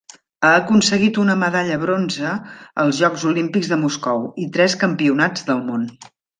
Ha aconseguit una medalla bronze als Jocs Olímpics de Moscou, i tres Campionats del món.